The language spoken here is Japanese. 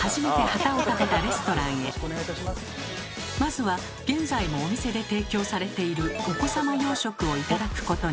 早速まずは現在もお店で提供されているお子様洋食を頂くことに。